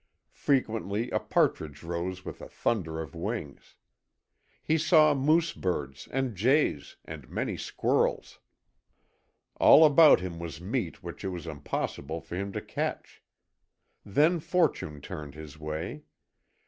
Frequently a partridge rose with a thunder of wings. He saw moose birds, and jays, and many squirrels. All about him was meat which it was impossible for him to catch. Then fortune turned his way.